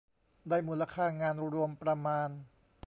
ได้มูลค่างานรวมประมาณ